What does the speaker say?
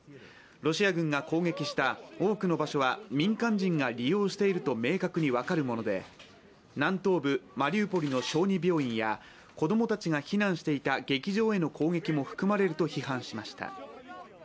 ロシア軍が攻撃した多くの場所は民間人が利用していると明確に分かる物で、南東部マリウポリの小児病院や子供たちが避難していた劇場への攻撃も含まれると批判しました。